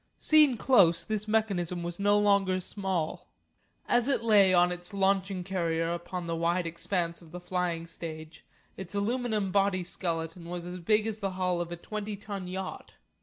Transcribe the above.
Seen close this mechanism was no longer small. As it lay on its launching carrier upon the wide expanse of the flying stage, its aluminum body skeleton was as big as the hull of a twenty ton yacht.